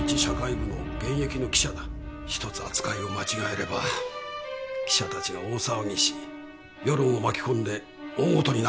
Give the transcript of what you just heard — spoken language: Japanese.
１つ扱いを間違えれば記者たちが大騒ぎし世論を巻き込んで大事になる。